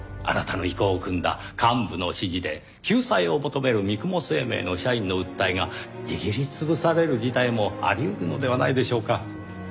あなたの意向をくんだ幹部の指示で救済を求める三雲生命の社員の訴えが握り潰される事態もあり得るのではないでしょうか？